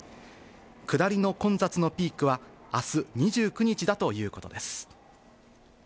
下りの混雑のピークは、あす２９日だということです。